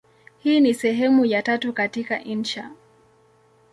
Hii ni sehemu ya tatu katika insha.